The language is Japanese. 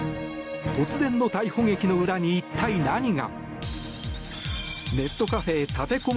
突然の逮捕劇の裏に一体、何が。